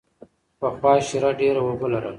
پخوا شیره ډېره اوبه لرله.